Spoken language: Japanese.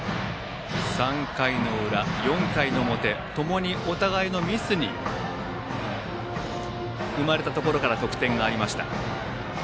３回の裏、４回の表ともにお互いのミスが生まれたところから得点がありました。